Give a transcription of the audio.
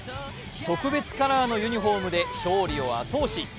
特別カラーのユニフォームで勝利を後押し。